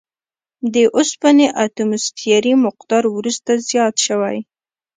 د اوسپنې اتوموسفیري مقدار وروسته زیات شوی.